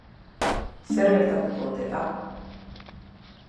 Zer gertatuko ote da?